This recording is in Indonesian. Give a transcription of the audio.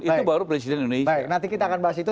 itu baru presiden indonesia nanti kita akan bahas itu